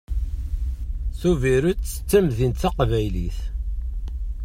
Tubiret d tamdint taqbaylit.